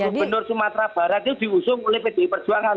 gubernur sumatera barat itu diusung oleh pdi perjuangan